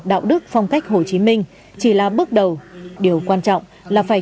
đạo đức phong cách hồ chí minh chỉ là bước đầu điều quan trọng là phải